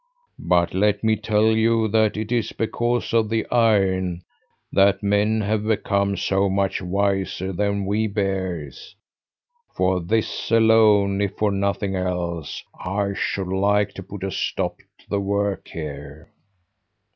"But let me tell you that it's because of the iron that men have become so much wiser than we bears. For this alone, if for nothing else, I should like to put a stop to the work here."